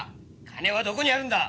金はどこにあるんだ！